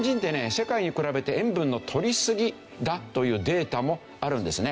世界に比べて塩分の取りすぎだというデータもあるんですね。